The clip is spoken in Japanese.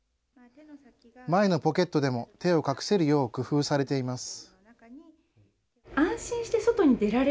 前のポケットでも手を隠せるよう工夫されています。